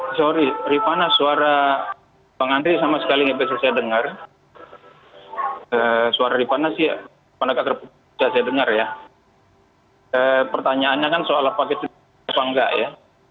maaf ripana suara bang andri sama sekali saya dengar suara ripana saya dengar ya pertanyaannya kan soal paketnya enggak ya